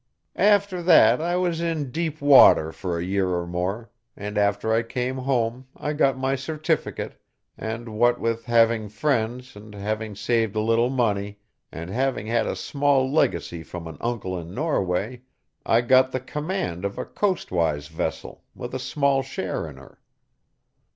After that I was in deep water for a year or more, and after I came home I got my certificate, and what with having friends and having saved a little money, and having had a small legacy from an uncle in Norway, I got the command of a coastwise vessel, with a small share in her.